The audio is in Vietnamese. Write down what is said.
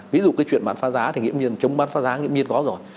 ví dụ cái chuyện bán phá giá thì nghĩa miên chống bán phá giá nghĩa miên có rồi